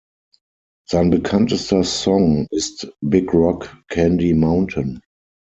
Sein bekanntester Song ist "Big Rock Candy Mountain".